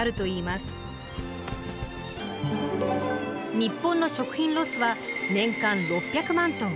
日本の食品ロスは年間６００万ｔ。